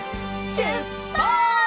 しゅっぱつ！